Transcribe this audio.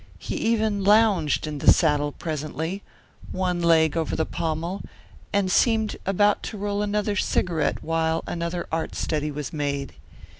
He even lounged in the saddle presently, one leg over the pommel, and seemed about to roll another cigarette while another art study was made.